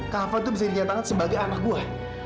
kava itu bisa dinyatakan sebagai anak gue